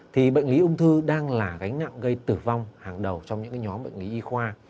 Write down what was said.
thì bệnh lý ung thư đang là gánh nặng gây tử vong hàng đầu trong những nhóm bệnh lý y khoa